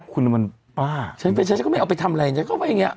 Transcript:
คุณมันบ้าฉันไปฉันก็ไม่เอาไปทำอะไรฉันก็ไปอย่างเงี้ย